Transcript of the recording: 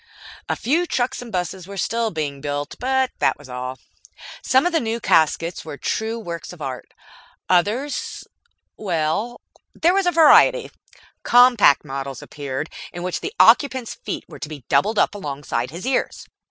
A few trucks and buses were still being built, but that was all. Some of the new caskets were true works of art. Others well, there was variety. Compact models appeared, in which the occupant's feet were to be doubled up alongside his ears.